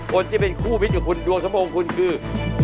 คนที่เป็นคู่มิตรกับคุณดวงสมพงษ์คุณคือ